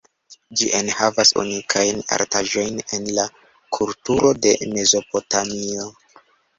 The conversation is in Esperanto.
Ĝi enhavas unikajn artaĵojn el la kulturo de Mezopotamio.